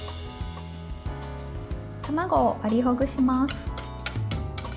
卵を割りほぐします。